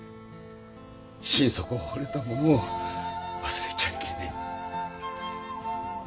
心底惚れたものは忘れちゃいけねえ。